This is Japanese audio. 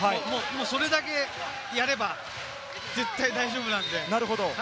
それだけやれば絶対大丈夫なんで。